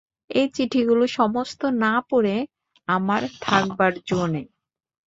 এ চিঠিগুলো সমস্ত না পড়ে আমার থাকবার জো নেই।